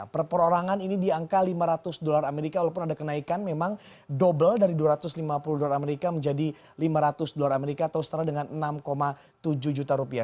perperorangan ini di angka lima ratus dolar amerika walaupun ada kenaikan memang double dari dua ratus lima puluh dolar amerika menjadi lima ratus dolar amerika atau setara dengan enam tujuh juta rupiah